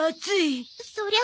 そりゃ